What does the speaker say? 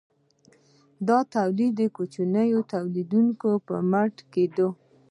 دا تولید د کوچنیو تولیدونکو په مټ کیده.